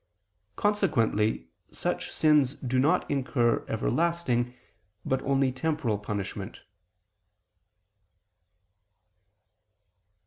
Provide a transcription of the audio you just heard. Consequently such sins do not incur everlasting, but only temporal punishment.